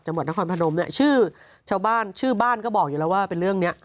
จังหวัดนครพนมเนี่ยชื่อชาวบ้านชื่อบ้านก็บอกอยู่แล้วว่าเป็นเรื่องเนี้ย